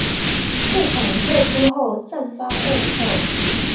市場撤出後散發惡臭